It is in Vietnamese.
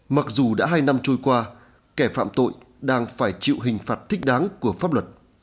mặc dù đã hai năm trôi qua kẻ phạm tội đang phải chịu hình phạt thích đáng của pháp luật